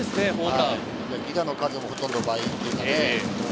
犠打の数もほとんど倍というね。